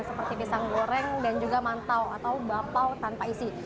seperti pisang goreng dan juga mantau atau bapau tanpa isi